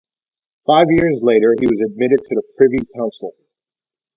Five years later he was admitted to the Privy Council.